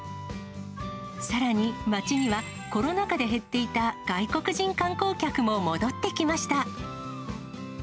さらに町にはコロナ禍で減っていた外国人観光客も戻ってきました。